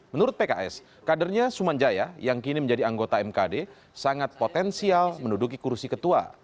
menurut pks kadernya sumanjaya yang kini menjadi anggota mkd sangat potensial menduduki kursi ketua